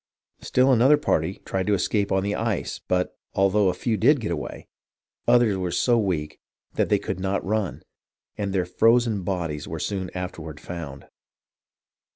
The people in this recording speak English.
Still another party tried to escape on the ice, but, although a few did get away, others were so weak they could not run, and their frozen bodies were soon afterward found.